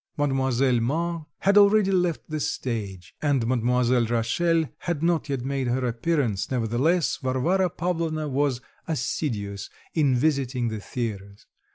Mademoiselle Mars had already left the stage, and Mademoiselle Rachel had not yet made her appearance; nevertheless, Varvara Pavlovna was assiduous in visiting the theatres.